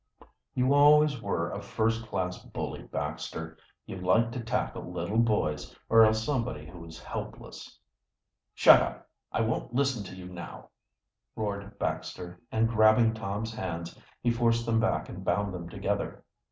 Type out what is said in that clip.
"You always were a first class bully, Baxter. You like to tackle little boys, or else somebody who is helpless." "Shut up! I won't listen to you, now!" roared Baxter, and grabbing Tom's hands he forced them back and bound them together.